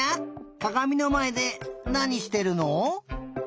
かがみのまえでなにしてるの？